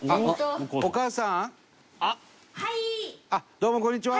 どうもこんにちは。